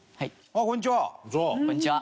あっこんにちは。